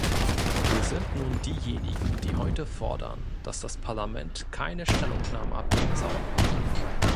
Wer sind nun diejenigen, die heute fordern, dass das Parlament keine Stellungnahme abgeben soll?